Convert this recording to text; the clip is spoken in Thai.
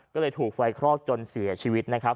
ก็เลยถูกไฟคลอกจนเสียชีวิตนะครับ